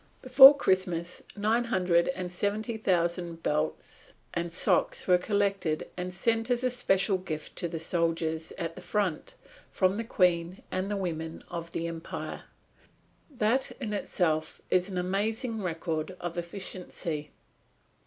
Before Christmas nine hundred and seventy thousand belts and socks were collected and sent as a special gift to the soldiers at the front, from the Queen and the women of the empire. That in itself is an amazing record of efficiency.